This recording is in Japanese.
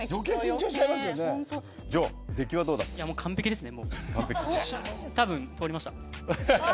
完璧ですね。